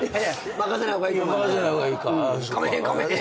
任せない方がいいか。